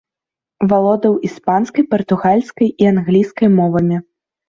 Валодаў іспанскай, партугальскай і англійскай мовамі.